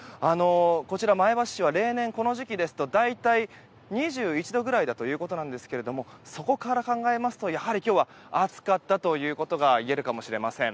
こちら、前橋市は例年この時期ですと大体２１度くらいだということなんですがそこから考えますとやはり今日は暑かったということがいえるかもしれません。